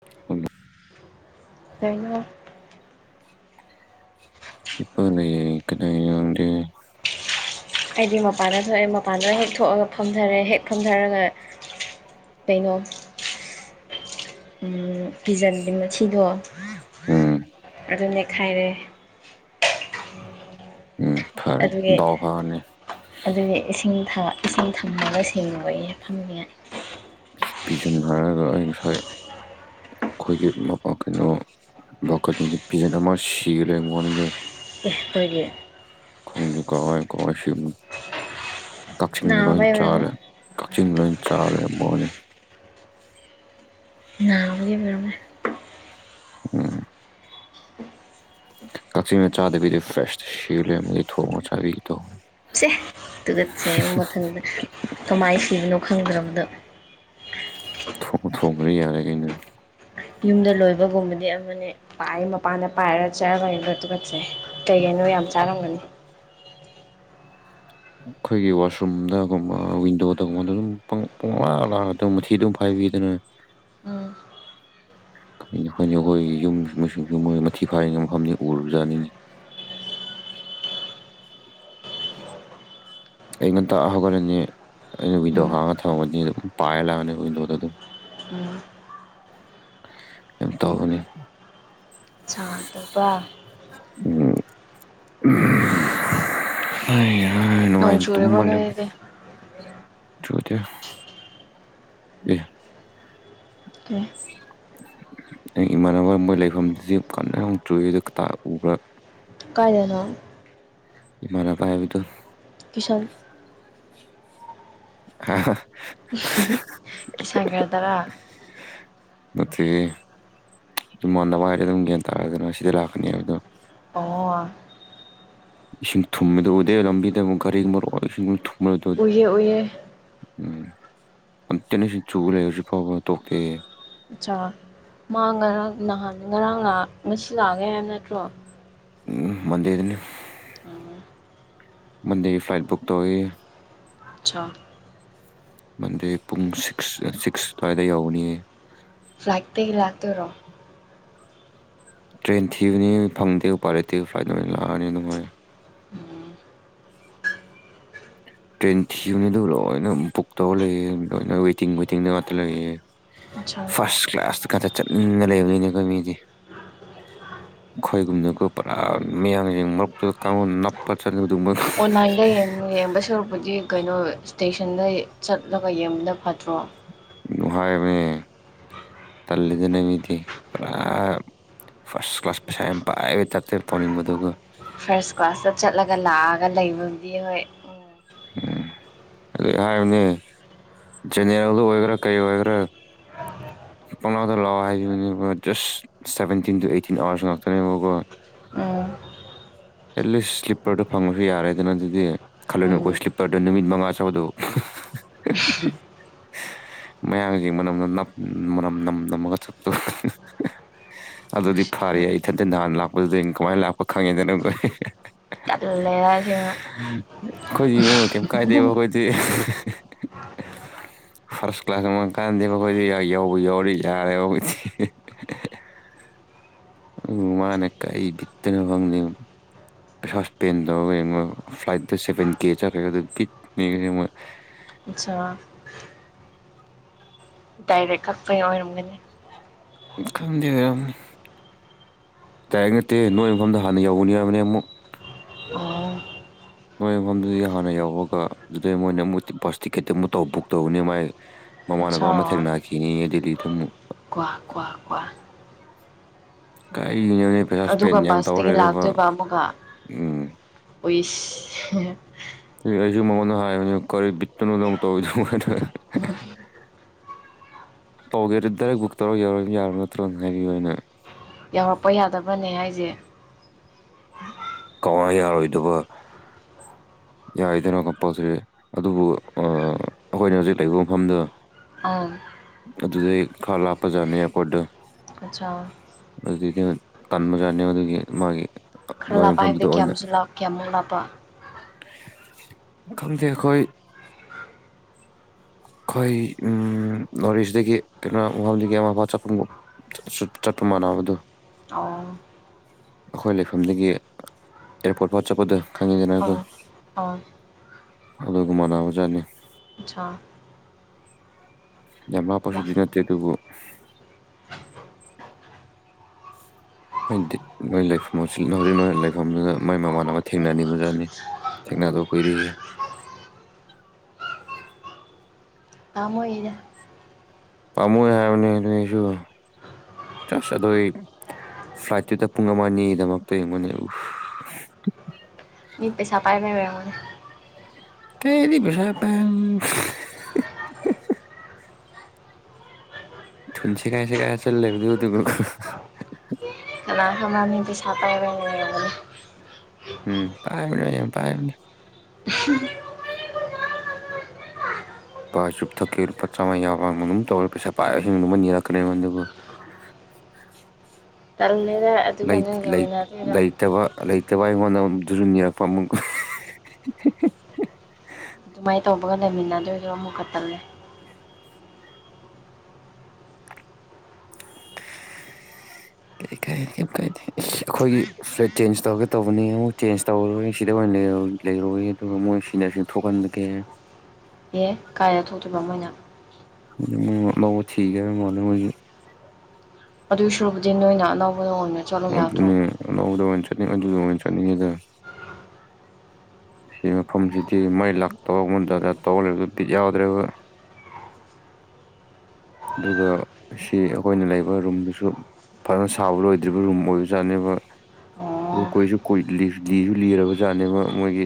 [unintelligible] ꯀꯩꯅꯣ ꯍꯤꯞꯄꯒ ꯂꯩꯌꯦ ꯀꯩꯗꯩꯅꯣ ꯅꯪꯗꯤ ꯑꯩꯗꯤ ꯃꯄꯥꯟꯗ ꯊꯣꯛꯑꯦ ꯃꯄꯥꯟꯗ ꯍꯦꯛ ꯊꯣꯛꯑꯒ ꯐꯝꯊꯔꯦ ꯍꯦꯛ ꯐꯝꯊꯔꯒ ꯀꯩꯅꯣ ꯎꯝ ꯐꯤꯖꯟꯕꯤ ꯃꯊꯤꯗꯣ ꯎꯝ ꯑꯗꯨ ꯅꯦꯛꯈꯥꯏꯔꯦ ꯎꯝ ꯐꯔꯦ ꯗꯥꯎ ꯐꯕꯅꯤ ꯑꯗꯨꯅꯦ ꯏꯁꯤꯡ ꯊꯥ ꯏꯁꯤꯡ ꯊꯝꯅꯕ ꯁꯤꯡꯅꯕꯩꯅꯦ ꯐꯝꯅꯤꯡꯉꯥꯏ ꯄꯤꯖꯟ ꯍꯥꯏꯔꯒ ꯑꯩ ꯉꯁꯥꯏ ꯑꯩꯈꯣꯏꯒꯤ [unintelligible] ꯀꯩꯅꯣ [unintelligible] ꯄꯤꯖꯟ ꯑꯃ ꯁꯤꯔ ꯂꯩꯕ꯭ꯋꯥꯅꯤꯗ [unintelligible] ꯈꯣꯏꯒꯤ ꯈꯪꯗꯦ ꯀꯥꯎꯔꯦ ꯀꯃꯥꯏ ꯁꯤꯕꯅꯣ ꯀꯛꯆꯦꯡꯅ ꯂꯣꯏ ꯅꯥꯕꯩ ꯑꯣꯏꯔꯝꯅꯤ ꯆꯥꯔꯦ ꯀꯛꯆꯤꯡꯅ ꯂꯣꯏꯅ ꯆꯥꯔ ꯂꯩꯔꯝꯕ꯭ꯋꯥꯅꯦ ꯅꯕꯒꯤ ꯑꯣꯏꯔꯝꯃꯦ ꯎꯝ ꯀꯛꯆꯦꯡꯅ ꯆꯥꯗꯕꯤꯗ ꯐ꯭ꯔꯦꯁ ꯁꯤꯔ ꯂꯩꯔꯝꯕ ꯑꯣꯏꯗꯤ ꯊꯣꯡꯉꯥ ꯆꯥꯕꯤꯒꯦ ꯇꯧ ꯆꯦ ꯇꯨꯒꯠꯆꯩ ꯃꯊꯟꯗ ꯀꯃꯥꯏꯅ ꯁꯤꯕꯅꯣ ꯈꯪꯗ꯭ꯔꯕꯗꯣ ꯊꯣꯡ ꯊꯣꯡꯒ꯭ꯔꯗꯤ ꯌꯥꯔꯦ ꯀꯩꯅꯣ ꯌꯨꯝꯗ ꯂꯣꯏꯕꯒꯨꯝꯕꯗꯤ ꯑꯃꯅꯦ ꯄꯥꯏ ꯃꯄꯥꯟꯗ ꯄꯥꯏꯔ ꯆꯕꯒꯩꯗꯣ ꯇꯨꯀꯠꯆꯩ ꯀꯩꯀꯩꯅꯣ ꯌꯥꯝ ꯆꯥꯔꯝꯒꯅꯤ [unintelligible] ꯈꯣꯏꯒꯤ ꯋꯥꯁꯔꯨꯝꯗꯒꯨꯝꯕ ꯋꯤꯟꯗꯣꯗꯒꯉꯣꯟꯗ ꯑꯗꯨꯝ ꯄꯨꯡꯂꯥꯛ ꯂꯥꯛꯑ ꯑꯗꯨ ꯃꯊꯤ ꯑꯗꯨꯝ ꯐꯥꯏꯕꯤ ꯗꯅ ꯎꯝ [unintelligible] ꯌꯨꯝ ꯃꯁꯨ ꯃꯣꯏ ꯃꯊꯤ ꯐꯥꯏꯅꯉꯥꯏ ꯃꯐꯝꯅꯤ ꯎꯔꯨꯔꯖꯠꯅꯤꯡꯅꯦ ꯑꯌꯨꯛ ꯉꯥꯟꯇꯥ ꯍꯧꯒꯔꯅꯤ ꯑꯩꯅ ꯋꯤꯟꯗꯣ ꯎꯝ ꯍꯥꯡꯔ ꯊꯅꯝꯃꯅꯤ ꯄꯥꯏꯔ ꯂꯥꯛꯑꯅꯤ ꯋꯤꯟꯗꯣꯗ ꯗꯨꯝ ꯎꯝ [unintelligible] ꯇꯧꯒꯅꯤ ꯇꯨꯄꯥ ꯎꯝ [unintelligible] ꯍꯩꯍꯥꯏ ꯅꯣꯡ ꯅꯨꯉꯥꯏꯅ ꯆꯨꯔꯤꯕꯣ ꯇꯨꯝꯃ ꯂꯩꯕꯗꯨ ꯅꯣꯏꯗꯗꯤ ꯊꯨꯗꯦ ꯑꯦ ꯀꯦ [unintelligible] ꯑꯩ ꯏꯃꯥꯟꯅꯕ ꯃꯣꯏ ꯂꯩꯐꯝꯗꯨꯗꯤ [unintelligible] ꯎꯕ꯭ꯔꯥ ꯀꯥꯏꯗꯅꯣ ꯏꯃꯥꯟꯅꯕ ꯍꯥꯏꯕꯗꯨ ꯀꯤꯁꯟ ꯍꯥ ꯍꯥ [unintelligible] ꯀꯤꯁꯪ ꯒꯔꯗꯔꯥ ꯅꯠꯇꯦꯍꯦ ꯏꯃꯥꯟꯅꯕ ꯍꯥꯏ ꯑꯗꯨꯝ ꯒ꯭ꯌꯥꯟ ꯇꯥꯔꯗꯅ ꯁꯤꯗꯤ ꯂꯥꯛꯀꯅꯤ ꯍꯥꯏꯕꯗꯣ ꯑꯣ ꯏꯁꯤꯡ ꯊꯨꯝꯃꯗꯨ ꯎꯗꯦ ꯂꯝꯕꯤꯗ ꯃꯨꯛ ꯒꯥꯔꯤ [unintelligible] ꯏꯁꯤꯡ [unintelligible] ꯎꯏꯌꯦ ꯎꯏꯌꯦ ꯎꯝ [unintelligible] ꯁꯤ ꯆꯨꯔꯦ ꯍꯧꯖꯤꯛ ꯐꯥꯎꯕ ꯇꯣꯛꯇꯦ ꯑꯠꯆꯥ ꯃꯥ ꯉꯔꯥꯡ ꯅꯍꯥꯟ ꯉꯔꯥꯡ ꯂꯥ ꯉꯁꯤ ꯂꯥꯛꯑꯒꯦ ꯍꯥꯏꯕ ꯅꯠꯇ꯭ꯔꯣ ꯎꯝ ꯃꯟꯗꯦꯗꯅꯤ ꯎꯝ ꯃꯟꯗꯦꯒꯤ ꯐ꯭ꯂꯥꯏꯠ ꯕꯨꯛ ꯇꯧꯋꯦꯌꯦ ꯁꯥ ꯃꯟꯗꯦ ꯄꯨꯡ ꯁꯤꯛꯁ ꯁꯤꯛꯁ ꯑꯗꯨ꯭ꯋꯥꯏꯗ ꯌꯧꯅꯤꯌꯦ ꯐꯂꯥꯏꯛꯇꯒꯤ ꯂꯥꯛꯇꯣꯏꯔꯣ ꯇ꯭ꯔꯦꯟ ꯊꯤꯕꯅꯤ ꯐꯪꯗꯦ ꯎꯄꯥꯏ ꯂꯩꯇꯦ ꯐ꯭ꯂꯥꯏꯠ ꯑꯣꯏꯅ ꯂꯥꯑꯅꯤ ꯅꯨꯡꯉꯥꯏ ꯎꯝ ꯇ꯭ꯔꯦꯟ ꯊꯤꯕꯅꯤ ꯑꯗꯨ ꯂꯣꯏꯅ ꯕꯨꯛ ꯇꯧꯔ ꯂꯩꯑꯦ ꯂꯣꯏꯅ ꯋꯦꯇꯤꯡ ꯋꯦꯇꯤꯡꯗ ꯉꯥꯇ ꯂꯩꯌꯦ ꯑꯆꯥ ꯐꯥꯁ ꯀ꯭ꯂꯥꯁ ꯈꯠꯇ ꯆꯠꯅꯤꯡꯉ ꯂꯩꯕꯅꯤꯅꯦ ꯑꯈꯣꯏ ꯃꯤꯗꯤ ꯈꯣꯏꯒꯨꯝꯅꯀꯣ ꯄꯨꯔꯥ ꯃꯌꯥꯡꯖꯤꯡ ꯃꯔꯛꯇꯨꯗ ꯀꯥꯡꯂꯝ ꯅꯞ [unintelligible] ꯑꯣꯟꯂꯥꯏꯟꯗ ꯌꯦꯡ ꯌꯦꯡꯕ ꯁꯔꯨꯛ ꯄꯨꯗꯤ ꯀꯩꯅꯣ ꯏꯁꯇꯦꯁꯟꯗ ꯆꯠꯂꯒ ꯌꯦꯡꯕꯅ ꯐꯇ꯭ꯔꯣ ꯅꯨꯍꯥꯏꯕꯅꯦ ꯇꯜꯂꯤꯗꯅ ꯃꯤꯗꯤ ꯄꯨꯔꯥ ꯐꯥꯔꯁ ꯀ꯭ꯂꯥꯁ ꯄꯩꯁꯥ ꯌꯥꯝ ꯄꯥꯏꯕ ꯇꯥꯏꯞꯇ ꯌꯥꯝ ꯇꯧꯅꯤꯡꯕꯗꯨꯒꯣ ꯐꯥꯔꯁ ꯀ꯭ꯂꯥꯁꯇ ꯆꯠꯂꯒ ꯂꯥꯑꯒ ꯂꯩꯕꯕꯨꯗꯤ ꯍꯣꯏ ꯎꯝ ꯀꯔꯤ ꯍꯥꯏꯔꯨꯅꯤ ꯖꯦꯅꯦꯔꯦꯜꯗ ꯑꯣꯏꯒꯦꯔꯥ ꯀꯩ ꯑꯣꯏꯒꯦꯔꯥ ꯄꯪꯪꯂꯥꯎꯗ ꯂꯥꯑꯣ ꯍꯥꯏꯔꯤꯕꯅꯦꯕ just seventeen to eighteen hours ꯉꯥꯛꯇꯅꯦꯕꯀꯣ ꯑ ꯑꯦꯠ ꯂꯤꯁ ꯁ꯭ꯂꯤꯞꯄꯔꯗꯣ ꯐꯪꯉꯁꯨ ꯌꯥꯔꯦꯗꯅ ꯑꯗꯨꯗꯤ ꯎꯝ ꯎꯝ ꯈꯜꯂꯨꯅꯨꯀꯣ ꯁ꯭ꯂꯤꯞꯄꯔꯗ ꯅꯨꯃꯤꯠ ꯃꯉꯥ [unintelligible] [unintelligible] ꯃꯌꯥꯡꯖꯤ ꯃꯅꯝꯅ ꯅꯞ ꯃꯅꯝ ꯅꯝ ꯅꯝꯃꯒ ꯆꯠꯄꯗꯣ ꯑꯗꯨꯗꯤ ꯐꯥꯔꯦ ꯑꯩ ꯏꯊꯟꯇ ꯅꯍꯥꯟ ꯂꯥꯛꯄꯗꯨꯗꯦꯡ ꯀꯃꯥꯏ ꯂꯥꯛꯄ ꯈꯪꯉꯦꯗ ꯅ ꯇꯜꯂꯦ ꯑꯁꯦꯡꯕ ꯈꯣꯢꯗꯤ ꯉꯣ ꯀꯩꯏꯝ ꯀꯥꯏꯗꯦꯕ ꯈꯣꯏ [unintelligible] ꯐꯥꯔꯁ ꯀ꯭ꯂꯥꯁ [unintelligible] ꯀꯥꯟꯗꯦꯕ ꯈꯣꯏꯗꯤ ꯌꯧꯕ ꯌꯥꯔꯗꯤ ꯌꯥꯔꯦꯕ ꯈꯣꯏꯗꯤ ꯎꯝ ꯃꯥꯅꯦ ꯀꯩ ꯕꯤꯠꯇꯅꯣ ꯈꯪꯗꯦꯅꯦ ꯄꯩꯁꯁꯄꯦꯟ ꯇꯧꯔꯒ ꯌꯦꯡꯉꯣ ꯐ꯭ꯂꯥꯏꯠꯇ ꯁꯚꯦꯟ ꯀꯦ ꯆꯠꯈ꯭ꯔꯒ ꯕꯤꯠ ꯃꯩꯅꯤ ꯃꯣꯏ [unintelligible] ꯗꯥꯏꯔꯦꯛ ꯀꯛꯄꯩ ꯑꯣꯏꯔꯝꯒꯅꯤ ꯈꯪꯗꯦ ꯑꯣꯏꯔꯝꯅꯤ ꯇꯥꯏꯔꯤ ꯅꯠꯇꯦ ꯅꯣꯏ ꯃꯐꯝꯗ ꯍꯥꯟꯅ ꯌꯧꯕꯅꯤ ꯍꯥꯏꯕꯅꯤ ꯑꯃꯨꯛ ꯑꯣ ꯅꯣꯏ ꯃꯐꯝꯗꯨꯗꯒꯤ ꯍꯥꯟꯅ ꯌꯧꯕꯒ ꯑꯗꯨꯗꯩ ꯃꯣꯏꯅ ꯑꯃꯨꯛ ꯕꯁ ꯇꯤꯛꯀꯦꯠꯇ ꯑꯃꯨꯛ ꯇꯧ ꯕꯨꯛ ꯇꯧꯕꯅꯤ ꯃꯥꯏ ꯃꯃꯥꯟꯅꯕ ꯑꯃ ꯑꯠꯁꯥ ꯊꯦꯡꯅꯈꯤꯅꯤꯌꯦ ꯗꯦꯜꯂꯤꯗꯝꯨꯛ ꯀ꯭ꯋꯥ ꯀ꯭ꯋꯥ ꯀ꯭ꯋꯥ ꯀꯔꯤꯅꯣꯅꯦ ꯄꯩꯁꯥ ꯑꯗꯨꯒ ꯏꯁꯄꯦꯟ ꯌꯥꯝ ꯇꯧꯔ ꯕꯁꯇꯒꯤ ꯂꯩꯔꯕ ꯂꯥꯛꯇꯣꯏꯕ ꯑꯃꯨꯒ ꯎꯝ ꯎꯏꯁ ꯑꯩꯁꯨ ꯃꯉꯣꯟꯗ ꯍꯥꯏꯕꯅꯦ ꯀꯔꯤ ꯕꯤꯠꯇꯅꯣ ꯅꯪ ꯇꯧꯋꯤꯗꯨꯕꯣ ꯇꯧꯒꯦꯗꯤ ꯗꯥꯏꯔꯦꯛ ꯕꯨꯛ ꯇꯧꯔꯒ ꯌꯥꯎꯔꯣꯏꯅ ꯌꯥꯔꯣ ꯅꯠꯇ꯭ꯔꯣꯅ ꯍꯥꯏꯕꯤꯌꯨꯑꯅ ꯌꯥꯧꯔꯛꯄ ꯌꯥꯗꯕꯅꯦ ꯍꯥꯏꯁꯦ ꯀꯃꯥꯏ ꯌꯥꯔꯣꯏꯗꯕ ꯌꯥꯏꯗꯅ ꯀꯝꯄꯜꯁꯔꯤ ꯑꯗꯨꯕꯨ ꯑꯥ ꯑꯩꯈꯣꯏꯅ ꯍꯧꯖꯤꯛ ꯂꯩꯕ ꯃꯐꯝꯗꯣ ꯑꯥ ꯑꯗꯨꯗꯩ ꯈꯔ ꯂꯥꯞꯄꯖꯥꯠꯅꯤ ꯑꯩꯈꯣꯏꯗꯣ ꯑꯆꯥꯥ ꯑꯗꯨꯗꯒꯤ ꯇꯟꯕꯖꯥꯠꯅꯦ ꯃꯗꯨꯒꯤ ꯃꯥꯒꯤ ꯈꯔ ꯅꯣꯏ ꯂꯥꯞꯄ ꯍꯥꯏꯕꯗꯤ ꯃꯐꯝꯗꯨꯗ ꯑꯣꯏꯅ ꯀꯌꯥꯝꯁꯨ ꯂꯥꯞ ꯀꯌꯥꯃꯨꯛ ꯂꯥꯞꯄ ꯈꯪꯗꯦ ꯑꯩꯈꯣꯏ ꯑꯩꯈꯣꯏ ꯅꯣꯔꯠ ꯏꯁꯇꯗꯒꯤ ꯀꯩꯅꯣ [unintelligible] ꯁꯨꯝ ꯆꯠꯄ ꯃꯥꯟꯅꯕꯗꯣ ꯑꯣ ꯑꯩꯈꯣꯏ ꯂꯩꯐꯝꯗꯒꯤ ꯑꯦꯌꯥꯔꯄꯣꯔꯠ ꯐꯥꯎ ꯆꯠꯄꯗꯣ ꯈꯪꯉꯤꯗꯅꯀꯣ ꯑꯪ ꯑꯪ ꯑꯗꯨꯒ ꯃꯥꯅꯥꯕꯖꯥꯠꯅꯤ ꯑꯥꯁꯥ ꯌꯥꯝ ꯂꯥ ꯂꯥꯞꯄꯁꯨꯗꯤ ꯅꯠꯇꯦ ꯑꯗꯨꯕꯨ ꯍꯥꯏꯗꯤ ꯅꯣꯏ ꯂꯩꯐꯝ ꯍꯧꯖꯤꯛ ꯅꯣꯏ ꯂꯩꯐꯝꯗꯨꯗ ꯃꯥꯏ ꯃꯃꯥꯟꯅꯕ ꯊꯦꯡꯅꯅꯤꯡꯕꯖꯥꯠꯅꯤ ꯊꯦꯡꯅꯗ ꯀꯨꯏꯔꯦꯌꯦ ꯄꯥꯝꯃꯨꯏꯌꯦꯗ ꯄꯥꯝꯃꯣꯏ ꯍꯥꯏꯕꯅꯤ ꯑꯗꯨꯅꯦ ꯑꯩꯁꯨ ꯇꯁ ꯑꯗꯨꯗꯩ ꯐ꯭ꯂꯥꯏꯠꯇꯨꯗ ꯄꯨꯡ ꯑꯃ ꯑꯅꯤꯒꯤꯗꯃꯛꯇ ꯌꯦꯡꯌꯨꯅꯦ [unintelligible] ꯃꯤ ꯄꯩꯁꯥ ꯄꯥꯏꯕꯒꯤ ꯑꯣꯏꯔꯝꯒꯅꯤ ꯀꯩꯌꯦꯗꯤ‌ ꯄꯩꯁꯥꯒ ꯄꯥꯏꯝ ꯊꯨꯟ ꯁꯦꯒꯥꯏꯔ ꯁꯦꯒꯥꯏꯔ ꯆꯠ ꯂꯩꯕꯗꯨꯒ ꯀꯅꯥ [unintelligible] ꯄꯩꯁꯥ ꯄꯥꯏꯕꯩ ꯑꯣꯏꯔꯝꯒꯅꯤ ꯎꯝ ꯄꯥꯏꯕꯅꯦ ꯌꯥꯝ ꯄꯥꯏꯕꯅꯦ ꯄꯥ ꯆꯨꯞꯔꯨꯞ ꯊꯛꯀꯦ ꯂꯨꯄꯥ ꯆꯥꯝꯃꯥ ꯌꯥꯎꯕ꯭ꯔ ꯑꯗꯨꯝ ꯇꯧꯔꯦ ꯄꯩꯁꯥ ꯄꯥꯏꯔ ꯗꯨꯝ ꯅꯤꯔꯛꯀꯅꯤ ꯑꯩꯉꯣꯟꯗꯕꯨ ꯇꯜꯂꯦꯗ ꯑꯗꯨꯒ ꯂꯩ ꯅꯣꯏꯒ ꯂꯩ ꯑꯣꯏꯅ [unintelligible] ꯂꯩꯇꯕ ꯂꯩꯇꯕ ꯑꯩꯉꯣꯟꯗ [unintelligible] ꯑꯗꯨꯃꯥꯏꯅ ꯇꯧꯕꯒ ꯂꯩꯃꯤꯟꯅꯗꯣꯏꯗꯣ ꯑꯃꯨꯛꯀ ꯇꯜꯂꯦ [unintelligible] [unintelligible] ꯀꯔꯤ ꯀꯔꯤ ꯀꯩꯝ ꯀꯥꯏꯗꯦ ꯑꯩꯈꯣꯏꯒꯤ ꯐ꯭ꯂꯦꯠ ꯆꯦꯟꯖ ꯇꯧꯔꯒꯦ ꯇꯧꯕꯅꯤ ꯑꯃꯨꯛ ꯆꯦꯟꯖ ꯇꯧꯔꯣꯏ ꯁꯤꯗ ꯑꯣꯏꯅ ꯂꯩꯔꯣꯏ ꯑꯗꯨꯒ ꯃꯣꯏ ꯁꯤꯅꯁꯤ ꯊꯣꯛꯍꯟꯗꯒꯦ ꯑꯦ ꯀꯥꯏꯔ ꯊꯣꯛꯇꯣꯏꯕ ꯃꯣꯏꯅ ꯍꯧ ꯂꯧꯕ ꯊꯤꯒꯦꯔ ꯃꯣꯅꯤ ꯃꯣꯏꯒꯤ ꯑꯗꯨ ꯁꯨꯕꯗꯤ ꯅꯣꯏꯅ ꯑꯅꯧꯕ ꯂꯣꯟꯅꯦ ꯑꯗꯨꯅꯦ ꯂꯧꯕꯗ ꯑꯣꯏꯅ ꯆꯠꯅꯤꯡꯉ ꯑꯗꯨꯗ ꯑꯣꯏꯅ ꯆꯠꯅꯤꯡꯉꯤꯗ ꯁꯤ ꯃꯐꯝꯁꯤꯗꯤ ꯃꯩ ꯂꯥꯛꯇꯕ ꯃꯟꯗꯅ ꯇꯧꯍꯜꯂꯒꯗꯤ ꯌꯥꯎꯗ꯭ꯔꯦꯕ ꯑꯗꯨꯒ ꯁꯤ ꯑꯩꯈꯣꯏꯅ ꯂꯩꯕ ꯔꯨꯝꯗꯨꯁꯨ ꯐꯖꯅ ꯁꯥꯕ ꯂꯣꯏꯗ꯭ꯔꯤꯕ ꯔꯨꯝ ꯑꯣꯏꯕꯖꯥꯠꯅꯦꯕ ꯑꯣ ꯑꯗꯨ ꯀꯣꯏꯁꯨ ꯀꯣꯏ ꯂꯤꯁꯨ ꯂꯤꯔꯕ ꯖꯥꯠꯅꯦꯕ ꯃꯣꯏꯒꯤ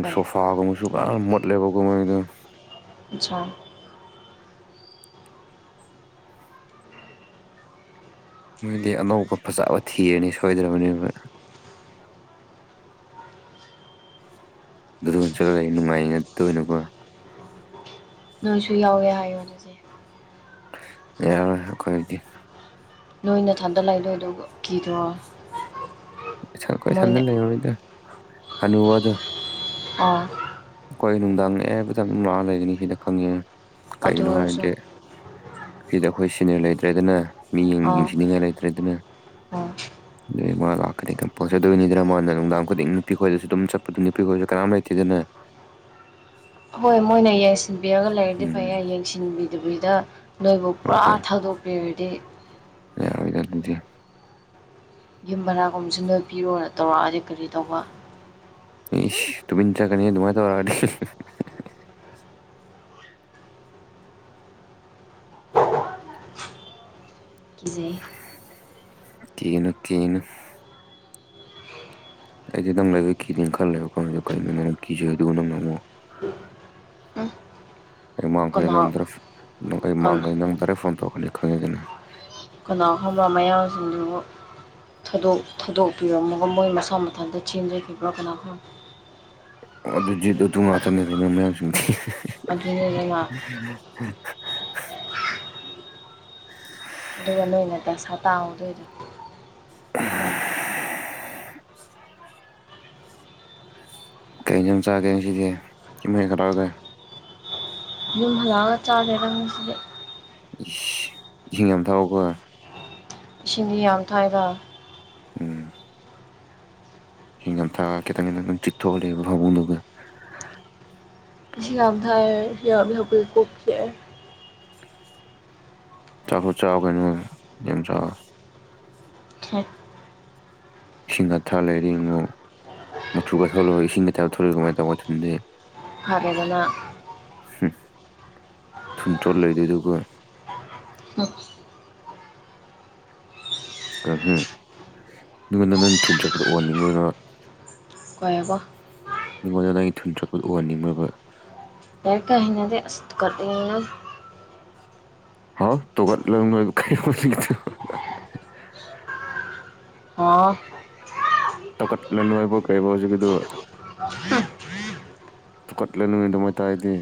ꯀꯩ ꯁꯣꯐꯥꯒꯨꯝꯕꯁꯨ ꯄꯨꯔ ꯃꯣꯠꯂꯦꯕꯒꯨꯝꯕꯩ ꯑꯗꯨ ꯑꯆꯥꯥ ꯃꯣꯏꯗꯤ ꯑꯅꯧꯕ ꯐꯖꯕ ꯊꯤꯔꯅꯤ ꯁꯣꯏꯗ꯭ꯔꯕꯅꯦꯕ ꯑꯗꯨꯗ ꯑꯣꯏꯅ ꯆꯠꯂ ꯑꯩ ꯅꯨꯡꯉꯥꯏꯅꯠ ꯇꯣꯏꯅꯀꯣ ꯅꯪꯁꯨ ꯌꯥꯎꯋꯦ ꯍꯥꯏꯌꯣꯠꯂꯁꯦ ꯌꯥꯔ ꯑꯩꯈꯣꯏꯒꯤ ꯅꯣꯏ ꯅꯊꯥꯗ ꯂꯥꯛꯏꯗꯣꯏ ꯑꯗꯨ ꯀꯤꯗꯔꯣ ꯁꯟ ꯀꯣꯏ ꯁꯟꯗꯅ ꯂꯩꯔꯣꯏꯗ ꯍꯅꯨꯕꯗꯣ ꯑꯥ ꯑꯩꯈꯣꯏ ꯅꯨꯡꯗꯥꯡ ꯑꯦ ꯇ ꯑꯗꯨꯝ ꯂꯥꯛꯑ ꯂꯩꯒꯅꯤ ꯁꯤꯗ ꯈꯪꯉꯦ ꯑꯗꯨ ꯀꯩꯒꯤꯅꯣ ꯑꯣꯏꯔꯁꯨ ꯍꯥꯏꯔꯗꯤ ꯁꯤꯗ ꯑꯩꯈꯣꯏ ꯁꯤꯅꯤꯔ ꯂꯩꯇ꯭ꯔꯦꯗꯅ ꯃꯤꯠꯌꯦꯡ ꯌꯦꯡꯁꯤꯟꯅꯤꯡꯉꯥꯏ ꯂꯩꯇ꯭ꯔꯦꯗꯅ ꯑꯣ ꯑꯗꯩ ꯃꯥ ꯂꯥꯛꯀꯅꯤ ꯀꯝꯄꯜ ꯆꯗꯣꯏꯅꯤꯗꯅ ꯃꯥꯣꯟꯅ ꯅꯨꯡꯗꯥꯡ ꯈꯨꯗꯤꯡ ꯅꯨꯄꯤ ꯈꯣꯏꯗꯁꯨ ꯑꯗꯨꯝ ꯆꯠꯄꯗ ꯅꯨꯄꯤ ꯈꯣꯏꯗꯁꯨ ꯀꯅꯥꯝ ꯂꯩꯇꯦꯗꯅ [unintelligible] ꯍꯣꯏ ꯃꯣꯏꯅ ꯌꯦꯡꯁꯤꯟꯕꯤꯔꯒ ꯂꯥꯏꯔꯗꯤ ꯎꯝ ꯐꯩꯌꯦ ꯌꯦꯡꯁꯤꯟꯕꯤꯗꯕꯤꯗ ꯅꯣꯏꯕꯨ ꯄꯨꯔꯥ ꯍꯣꯏꯗ ꯊꯥꯗꯣꯛꯄꯤꯔꯗꯤ ꯌꯥꯔꯣꯏꯗ ꯑꯗꯨꯗꯤ ꯌꯨꯝ ꯕꯔꯥꯒꯨꯝꯕꯁꯨ ꯅꯣꯏ ꯄꯤꯔꯣꯅ ꯇꯧꯔꯛꯑꯗꯤ ꯀꯔꯤ ꯇꯧꯕ ꯏꯁ ꯇꯨꯃꯤ ꯆꯠꯀꯅꯤ ꯑꯗꯨꯃꯥꯏ ꯇꯧꯔꯛ ꯑ ꯗꯤ ꯀꯤꯖꯩ ꯀꯤꯒꯅꯨ ꯀꯤꯒꯅꯨ ꯑꯩꯗꯤ ꯅꯪ ꯂꯩꯒ ꯀꯤꯗꯦ ꯈꯜꯂꯦꯕ ꯈꯪꯗꯣ ꯀꯩꯅꯣ ꯅꯪ ꯀꯤꯁꯦ ꯑꯗꯨꯒꯕꯨ ꯅꯪ ꯅ ꯑꯃꯨꯛ ꯎꯝ ꯑꯩ ꯃꯥꯡꯈꯦ ꯀꯅꯥ ꯅꯪ ꯅ ꯑꯩ ꯀꯅꯥ ꯃꯥꯡꯈꯦ ꯅꯪ ꯗꯥꯏꯦꯛ ꯐꯣꯟ ꯇꯧꯔꯒꯅꯤ ꯈꯪꯉꯤꯗꯅ ꯀꯅꯥ ꯈꯕ ꯃꯌꯥꯝꯁꯤꯡꯗꯨꯕꯨ ꯗꯣꯛ ꯊꯥꯗꯣꯛꯄꯤꯔꯝꯃꯒ ꯃꯣꯏ ꯃꯁꯥ ꯃꯊꯟꯇ ꯊꯦꯟꯖꯈꯤꯕ꯭ꯔꯥ ꯀꯅꯥꯝ ꯈꯪ ꯑꯗꯨꯗꯤ ꯑꯗꯨ ꯑꯗꯨ ꯉꯥꯛꯇꯅꯦ ꯑꯩꯅ ꯃꯌꯥꯝꯁꯤꯡ ꯑꯗꯨꯅꯦ ꯑꯗꯨꯅ ꯎꯝ ꯎꯝ ꯑꯗꯨꯒ ꯅꯣꯏꯅ ꯗꯁꯥ ꯇꯥꯍꯧꯗꯣꯏꯗꯣ ꯀꯩ ꯏꯟꯖꯥꯡ ꯆꯥꯒꯩ ꯉꯁꯤꯗꯤ ꯏꯃꯣꯏ ꯈꯔꯥꯎꯑꯒ ꯌꯨꯝ ꯍꯜꯂꯛꯑꯒ ꯆꯥꯂꯦꯔꯁꯤꯗ ꯏꯁꯤꯡ ꯌꯥꯝ ꯊꯛꯑꯣꯀꯣ ꯏꯁꯤꯡ ꯌꯥꯝ ꯊꯒꯥ ꯎꯝ ꯍꯤꯡꯅ ꯊꯥ ꯈꯤꯇꯪ ꯈꯤꯇꯪ ꯆꯤꯠꯊꯣꯛꯒꯂꯦꯕ ꯐꯥꯃꯨꯡꯗꯨꯒ ꯂꯩꯆꯤꯜ ꯌꯥꯝ ꯊꯥꯏꯌꯦ ꯌꯥꯝꯅ ꯄꯣꯛ ꯄꯣꯛ ꯆꯥꯛꯑꯦ ꯆꯥꯛꯇꯣ ꯆꯥꯎ ꯀꯩꯅꯣ ꯌꯥꯝ ꯆꯥꯎ ꯈꯠ ꯏꯁꯤꯡ ꯑꯊꯥ ꯂꯩꯔꯤꯉꯨ ꯃꯨꯊꯨꯒ ꯊꯧꯔꯨꯔꯒ ꯏꯁꯤꯡꯒ ꯊꯥꯕ ꯊꯧꯂꯛꯏ ꯀꯃꯥꯏꯅ ꯇꯧꯕꯅ ꯊꯟꯗꯦ ꯐꯔꯦꯗꯅ ꯍꯨꯝ ꯊꯨꯟ ꯊꯣꯛꯑ ꯂꯩꯗꯣꯏ ꯗꯨꯒ ꯑꯣ ꯑꯣꯍꯨꯝ ꯃꯤꯉꯣꯟꯗ ꯅꯪ ꯊꯨꯟ ꯆꯣꯞꯄꯗꯨ ꯎꯍꯟꯅꯤꯡꯉꯤꯔ ꯎꯍꯟꯅꯤꯡꯗꯦ ꯃꯤꯉꯣꯟꯗ ꯑꯩ ꯊꯨꯟ ꯆꯨꯞꯄꯗꯣ ꯎꯍꯟꯅꯤꯕ꯭ꯔꯕ ꯑꯣꯏ ꯀꯩ ꯍꯩꯅꯗꯦ ꯑꯁ ꯇꯨꯀꯠꯂꯦ ꯍꯥꯎ ꯇꯣꯒꯠꯂꯣ [unintelligible] ꯍꯥꯎ ꯇꯧꯀꯠꯂꯅꯨ ꯍꯥꯏꯕ ꯂꯩꯕ ꯍꯧꯖꯤꯛꯒꯤꯗꯨ ꯍꯝ ꯇꯨꯀꯠꯂꯥꯅꯨ ꯑꯗꯨꯃꯥꯏ ꯇꯥꯏꯗꯤ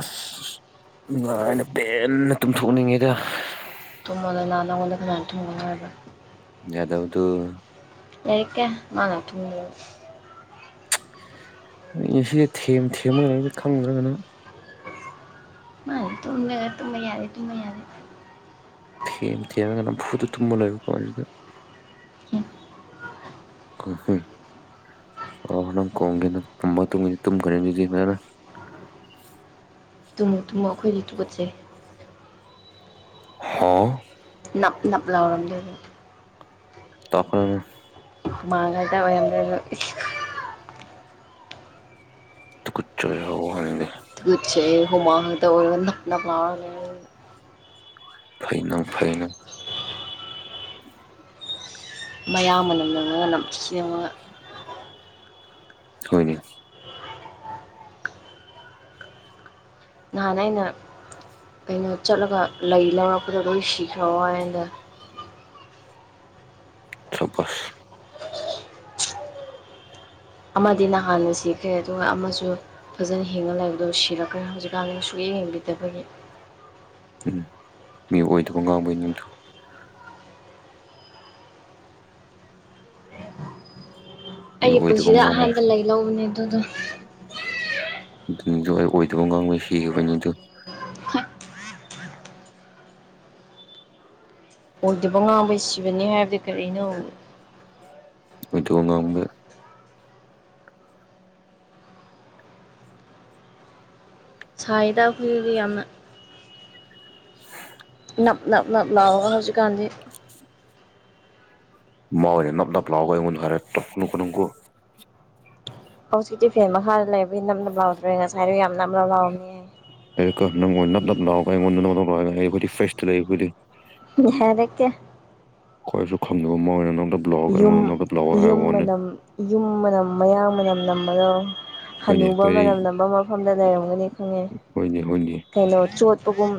ꯑꯁ ꯅꯨꯡꯉꯥꯏꯅ ꯄꯦꯟꯅ ꯇꯨꯝꯊꯣꯛꯅꯤꯡꯉꯤꯗ ꯇꯨꯝꯃꯣꯗꯅ ꯅꯥꯉꯣꯟꯗ ꯀꯅꯥꯅ ꯇꯨꯝꯅꯣ ꯍꯥꯏꯕ ꯌꯥꯗꯕꯗꯨ ꯂꯩꯇꯦ ꯅꯪꯅ ꯇꯨꯝꯕꯗꯥ ꯑꯩꯁꯦ ꯊꯦꯝ ꯊꯦꯝꯃꯒꯅꯦ ꯈꯪꯗ꯭ꯔꯒ ꯅꯪ ꯑꯣ ꯇꯨꯝꯃꯣ ꯌꯥꯔꯦ ꯇꯨꯝꯃꯣ ꯌꯥꯔꯦ ꯇꯨꯝꯃꯣ ꯌꯥꯔꯦ ꯊꯦꯝ ꯊꯦꯝꯔꯒ ꯅꯝꯐꯨꯗ ꯇꯨꯝꯕ ꯂꯣꯏꯕ ꯄꯣꯠꯅꯤꯗ ꯎꯝꯍꯨꯝ ꯂꯥꯎ ꯅꯪ ꯀꯣꯟꯒꯦꯅꯦ ꯇꯨꯝꯕ ꯊꯦꯝꯕ ꯇꯨꯝꯈꯔꯥꯅꯤ ꯌꯦꯡꯉꯔꯣꯏ ꯇꯨꯝꯃꯣ ꯇꯨꯝꯃꯣ ꯑꯩꯈꯣꯏꯗꯤ ꯊꯨꯀꯠꯆꯩ ꯍꯥꯥ ꯅꯞ ꯅꯞ ꯂꯥꯎꯔꯝꯗꯣꯏꯅꯦ ꯇꯧꯔꯥꯛꯀꯅꯨ ꯃꯥꯥꯡꯉꯗ ꯑꯣꯏꯔꯝꯒꯅꯤ ꯇꯨꯒꯠꯆꯩꯌꯦ ꯋꯥ ꯍꯥꯏꯅꯤꯡꯗꯦ ꯇꯨꯒꯠꯆꯩꯌꯦ ꯍꯨꯃꯥꯡꯉꯥꯛꯇ ꯑꯣꯏꯔꯝꯅꯤ ꯅꯞ ꯅꯞ ꯂꯥꯎꯔꯒ [unintelligible] ꯐꯩꯅꯧ ꯐꯩꯅ [inaudible] ꯃꯌꯥ ꯃꯅꯝꯅ ꯃꯔꯣꯃꯥ ꯅꯝꯊꯤꯕꯅꯦ ꯍꯣꯏꯅꯦ ꯅꯍꯥꯟ ꯑꯩꯅ ꯀꯩꯅꯣ ꯆꯠꯂꯒ ꯂꯩ ꯂꯧꯔꯛꯄꯗ ꯂꯣꯏ ꯁꯤꯈ꯭ꯔ ꯋꯥꯅꯦꯗꯥ ꯈꯄꯨꯁ ꯑꯃꯗꯤ ꯅꯍꯥꯟꯅ ꯁꯤꯈ꯭ꯔꯦ ꯑꯗꯨꯒ ꯑꯃꯁꯨ ꯐꯖꯅ ꯍꯤꯡꯉ ꯂꯩꯕꯗꯣ ꯁꯤꯔꯛꯈꯔ꯭ꯦ ꯍꯧꯖꯤꯛꯀꯥꯟꯗꯤ ꯁꯨꯛꯌꯦꯡ ꯌꯦꯡꯕꯤꯗꯕꯒꯤ ꯎꯝ ꯃꯤ ꯑꯣꯏꯗꯕ ꯉꯥꯡꯕꯩ ꯅꯠꯇꯣ ꯃꯤ ꯑꯩꯒꯤ ꯑꯣꯏꯗꯕ ꯄꯨꯟꯁꯤꯗ ꯉꯥꯡꯕ ꯑꯍꯥꯟꯕ ꯂꯩ ꯂꯧꯕꯅꯦ ꯑꯗꯨꯗꯣ ꯑꯗꯨꯅꯤꯗꯣ ꯑꯣꯏꯗꯕ ꯉꯥꯡꯕꯗ ꯁꯤꯈꯤꯕꯅꯤ ꯑꯗꯨ ꯑꯣꯏꯗꯕ ꯉꯥꯡꯕꯩ ꯁꯤꯕꯅꯤ ꯍꯥꯏꯕꯗꯤ ꯀꯔꯤꯅꯣ ꯑꯣꯏꯗꯕꯥ ꯉꯥꯡꯕ ꯁꯥꯢ ꯗ ꯑꯩꯈꯣꯏꯗꯤ ꯌꯥꯝꯅ [inaudible] ꯅꯞ ꯅꯞ ꯅꯞ ꯂꯥꯎꯔꯒ ꯍꯧꯖꯤꯛꯀꯥꯟꯗꯤ [inaudible] ꯃꯥꯑꯣꯢꯅ ꯅꯞ ꯅꯥꯞ ꯂꯥꯎꯔꯒ ꯑꯩꯉꯣꯟꯗ ꯍꯥꯏꯔꯛꯄ ꯅꯣꯛꯀꯅꯨꯀꯣ ꯍꯧꯖꯤꯛꯇꯤ ꯐꯦꯟ ꯃꯈꯥꯗ ꯂꯩꯕꯒꯤ ꯅꯡ ꯅꯞ ꯂꯥꯎꯗ꯭ꯔꯦ ꯉꯁꯥꯏꯖꯨ ꯌꯥꯝ ꯅꯡ ꯅꯞ ꯂꯥꯎꯅꯤ ꯂꯩꯔꯒ ꯅꯪ ꯑꯣꯢꯅ ꯅꯞ ꯅꯞ ꯂꯥꯎꯔꯒ ꯑꯩꯉꯣꯟꯗ ꯅꯣꯛꯅꯒꯅꯣ ꯍꯦ ꯑꯩꯈꯣꯢꯗꯤ ꯐ꯭ꯔꯦꯁꯇ ꯂꯩ ꯑꯩꯈꯣꯏꯗꯤ ꯌꯥꯔꯦ ꯀꯦ ꯑꯩꯈꯣꯏꯁꯨ ꯈꯪꯗꯕ ꯑꯃ ꯑꯣꯏꯅ ꯅꯪꯗꯣ ꯌꯨꯝ ꯌꯨꯝ ꯃꯅꯝ ꯌꯨꯝ ꯃꯅꯝ ꯃꯌꯥꯡ ꯃꯅꯝ ꯅꯝꯕꯗꯣ ꯍꯣꯏꯅꯦ ꯍꯅꯨꯕ ꯑꯩꯈꯣꯏ ꯃꯅꯝ ꯅꯝꯕ ꯃꯐꯝꯗ ꯂꯩꯔꯝꯒꯅꯤ ꯈꯪꯉꯦ ꯍꯣꯏꯅꯦ ꯍꯣꯏꯅꯦ ꯀꯩꯅꯣ ꯆꯣꯠꯄꯒꯨꯝ